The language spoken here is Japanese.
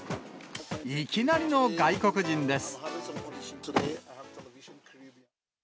いきなりの外国人です。